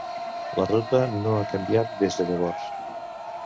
La ruta no ha canviat des de llavors.